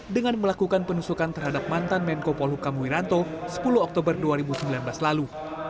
dengan melakukan penusukan terhadap mantan menko polhukam wiranto sepuluh oktober dua ribu sembilan belas lalu